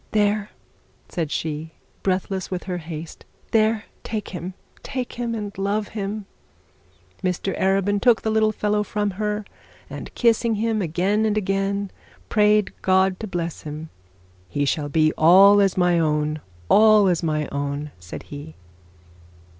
'There,' said she, breathless with her haste; 'there, take him take him and love him.' Mr Arabin took the little fellow from her, and kissing him again and again, prayed God to bless him. 'He shall be all as my own all as my own,' said he.